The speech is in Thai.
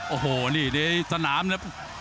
โอ้โหนี่ในสนามครับ